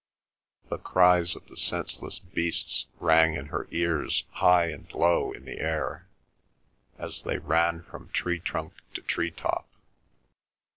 The cries of the senseless beasts rang in her ears high and low in the air, as they ran from tree trunk to tree top.